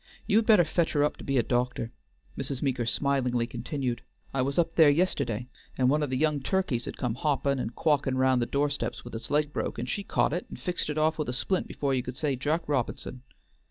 You had better fetch her up to be a doctor," Mrs. Meeker smilingly continued, "I was up there yisterday, and one of the young turkeys had come hoppin' and quawkin' round the doorsteps with its leg broke, and she'd caught it and fixed it off with a splint before you could say Jack Robi'son.